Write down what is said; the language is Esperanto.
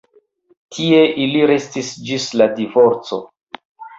Tie ili restis ĝis la divorco.